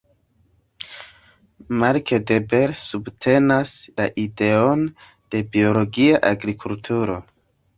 Marc De Bel subtenas la ideon de biologia agrikulturo.